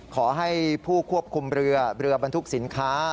ขอให้ผู้ควบคุมเรือเรือบรรทุกสินค้า